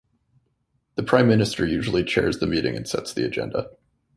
The Prime Minister usually chairs the meeting and sets the agenda.